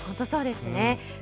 本当そうですね。